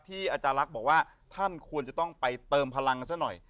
อาจารย์ลักษณ์บอกว่าท่านควรจะต้องไปเติมพลังกันซะหน่อย